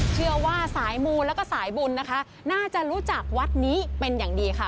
เชื่อว่าสายมูลแล้วก็สายบุญนะคะน่าจะรู้จักวัดนี้เป็นอย่างดีค่ะ